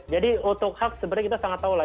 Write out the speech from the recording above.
jadi untuk hak sebenarnya kita sangat tahu lah